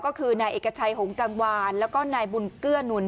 ก็คือนายเอกชัยหงกังวานแล้วก็นายบุญเกื้อนุน